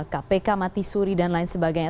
kpk mati suri dan lain sebagainya